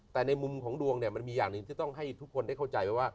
แต่ในมุมของดวงเนี่ยมันมีอย่างหนึ่งที่ต้องให้ทุกคนได้เข้าใจว่า